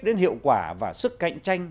đến hiệu quả và sức cạnh tranh